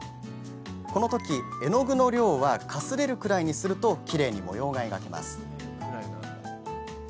このとき絵の具の量はかすれるくらいにするときれいに模様が描けます。